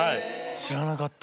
知らなかった。